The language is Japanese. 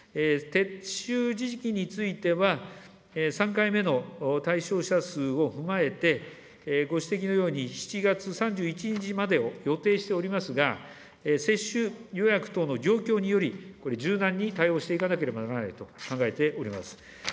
撤収時期については、３回目の対象者数を踏まえて、ご指摘のように、７月３１日までを予定しておりますが、接種予約等の状況により、これ、柔軟に対応していかなければならないと考えております。